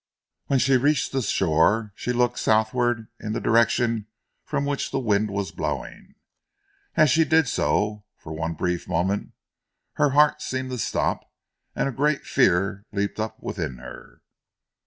When she reached the shore she looked southward in the direction from which the wind was blowing. As she did so, for one brief moment her heart seemed to stop and a great fear leaped up within her.